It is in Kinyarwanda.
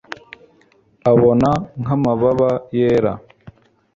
Abona nkamababa yera